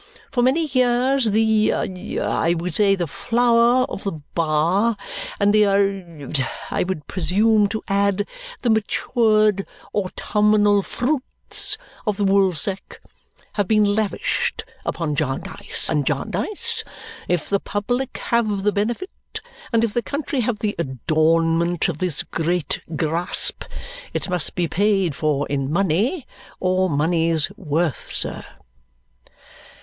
For many years, the a I would say the flower of the bar, and the a I would presume to add, the matured autumnal fruits of the woolsack have been lavished upon Jarndyce and Jarndyce. If the public have the benefit, and if the country have the adornment, of this great grasp, it must be paid for in money or money's worth, sir."